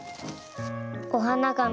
おはながみ。